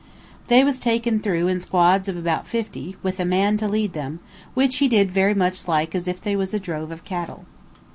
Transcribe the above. They was taken through in squads of about fifty, with a man to lead them, which he did very much as if they was a drove of cattle.